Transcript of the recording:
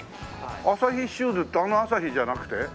アサヒシューズってあのアサヒじゃなくて？